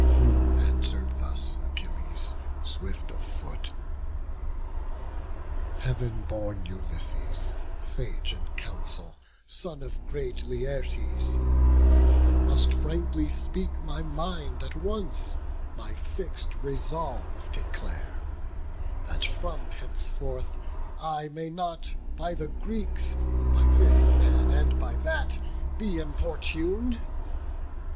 Whom answer'd thus Achilles, swift of foot: "Heav'n born Ulysses, sage in council, son Of great Laertes, I must frankly speak My mind at once, my fix'd resolve declare: That from henceforth I may not by the Greeks, By this man and by that, be importun'd.